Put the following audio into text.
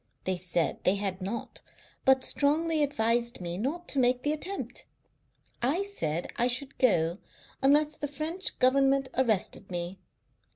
They said they had not, but strongly advised me not to make the attempt. I said I should go, unless the French Government arrested me....